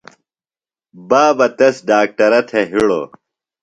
بابہ تس ڈاکٹرہ تھےۡ ہِڑوۡ۔